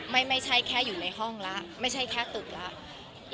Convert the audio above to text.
ไม่ใช่แค่อยู่ในห้องแล้วไม่ใช่แค่ตึกแล้ว